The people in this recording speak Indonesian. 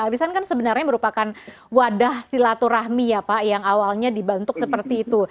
arisan kan sebenarnya merupakan wadah silaturahmi ya pak yang awalnya dibentuk seperti itu